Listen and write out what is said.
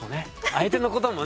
相手のこともね。